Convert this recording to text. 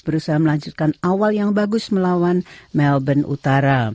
berusaha melanjutkan awal yang bagus melawan melbourne utara